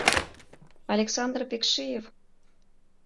— Александр Пекшиев!